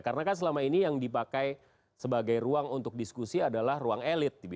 karena kan selama ini yang dipakai sebagai ruang untuk diskusi adalah ruang elit